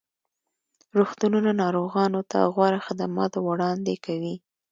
روغتونونه ناروغانو ته غوره خدمات وړاندې کوي.